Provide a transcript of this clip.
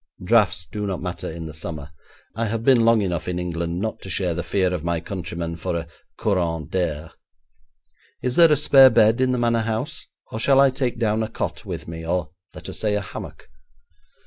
'Draughts do not matter in the summer. I have been long enough in England not to share the fear of my countrymen for a courant d'air. Is there a spare bed in the manor house, or shall I take down a cot with me, or let us say a hammock?'